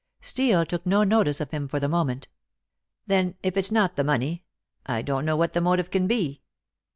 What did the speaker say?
Steel took no notice of him for the moment. "Then if it's not the money I don't know what the motive can be."